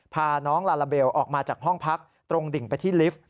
พาน้องลาลาเบลออกมาจากห้องพักตรงดิ่งไปที่ลิฟต์